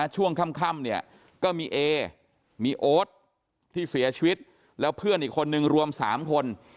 ช่วงค่ำเนี่ยก็มีเอมีโอ๊ตที่เสียชีวิตแล้วเพื่อนอีกคนนึงรวม๓คน